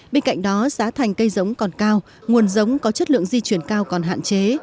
bên cạnh đó giá thành cây giống còn cao nguồn giống có chất lượng di chuyển cao còn hạn chế